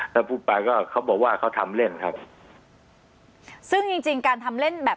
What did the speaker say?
ถ้าพูดไปก็เขาบอกว่าเขาทำเล่นครับซึ่งจริงจริงการทำเล่นแบบ